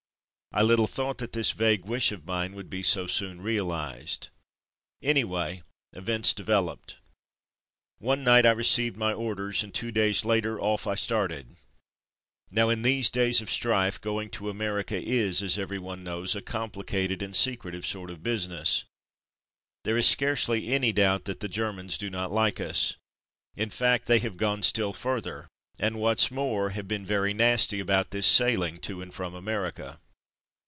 I Httle thought that this vague wish of mine would be so soon reahzed. Anyway, events developed. One night I received my orders, and two days later off I started. Now, in these days of strife, going to America is, as everyone knows, a complicated and secretive sort of business. There is scarcely any doubt that the Ger mans do not like us. In fact, they have gone still further, and what's more have been very nasty about this sailing to and from America.